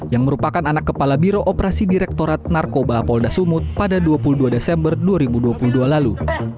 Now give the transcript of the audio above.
yang merupakan anak kepala biro operasi direktorat narkoba polda sumut pada dua puluh dua desember dua ribu dua puluh dua lalu